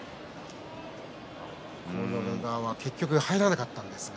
向正面側は結局入らなかったんですが